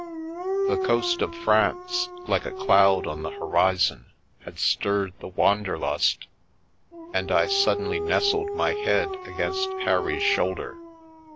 The coast of France, like a cloud on the horizon, had stirred the wander lust, and I suddenly nestled my head against Harry's shoulder.